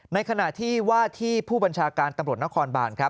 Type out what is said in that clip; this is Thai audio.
ในขณะที่ว่าที่ผู้บัญชาการตำรวจนครบานครับ